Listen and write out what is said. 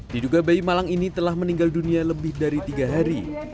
diduga bayi malang ini telah meninggal dunia lebih dari tiga hari